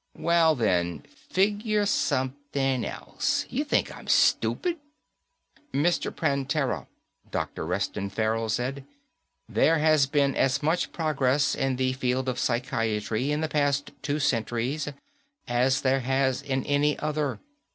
"Well then, figure something else. You think I'm stupid?" "Mr. Prantera," Dr. Reston Farrell said, "there has been as much progress in the field of psychiatry in the past two centuries as there has in any other.